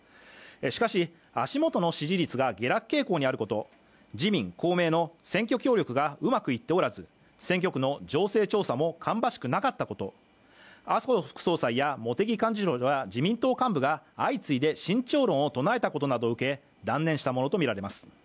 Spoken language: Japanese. しかし足元の支持率が下落傾向にあること自民・公明の選挙協力がうまくいっておらず、選挙区の情勢調査も芳しくなかったこと、麻生副総裁や茂木幹事長など、自民党幹部が相次いで慎重論を唱えたことなどを受け断念したものとみられます。